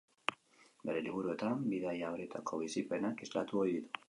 Bere liburuetan, bidaia horietako bizipenak islatu ohi ditu.